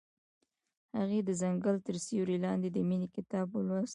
هغې د ځنګل تر سیوري لاندې د مینې کتاب ولوست.